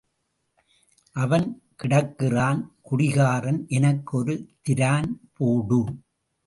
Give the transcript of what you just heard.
அவன் கிடக்கிறான் குடிகாரன் எனக்கு ஒரு திரான் போடு.